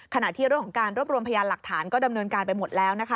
ขณะที่เรื่องของการรวบรวมพยานหลักฐานก็ดำเนินการไปหมดแล้วนะคะ